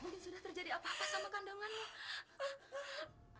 mungkin sudah terjadi apa apa sama kandanganmu